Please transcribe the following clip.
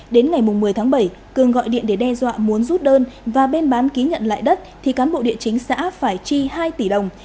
đến ngày một mươi tháng bảy cường gọi điện để đe dọa muốn rút đơn và bên bán ký nhận lại đất thì cán bộ địa chính xã phải chi hai tỷ đồng